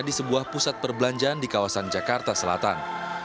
di sebuah pusat perbelanjaan di kawasan jakarta selatan